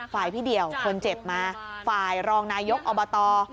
พี่เดี่ยวคนเจ็บมาฝ่ายรองนายกอบต